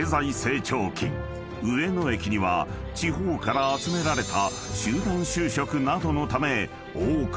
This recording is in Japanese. ［上野駅には地方から集められた］